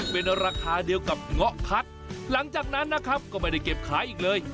เป็นราคาเดียวกับเงาะพัดหลังจากนั้นนะครับก็ไม่ได้เก็บขายอีกเลย